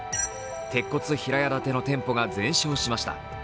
鉄骨平屋建ての店舗が全焼しました。